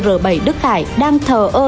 r bảy đức hải đang thờ ơ